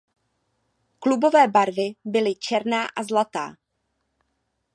Klubové barvy byly černá a zlatá.